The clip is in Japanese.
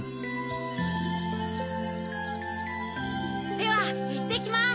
・ではいってきます・・